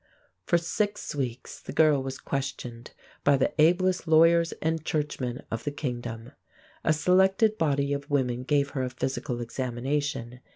For six weeks the girl was questioned by the ablest lawyers and churchmen of the kingdom. A selected body of women gave her a physical examination.